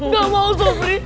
gak mau sobri